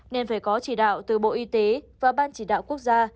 nên phải có chỉ đạo từ bộ y tế và ban chỉ đạo quốc gia